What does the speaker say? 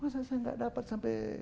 masa saya nggak dapat sampai